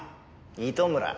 糸村。